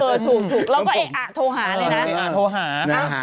เออถูกเราก็อะโทรหาเลยนะ